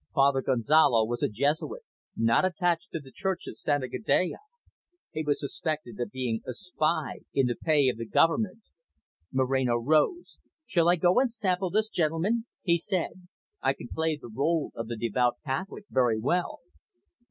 Father Gonzalo was a Jesuit, not attached to the Church of Santa Gadea. He was suspected of being a spy in the pay of the Government. Moreno rose. "Shall I go and sample this gentleman?" he said. "I can play the role of the devout Catholic very well."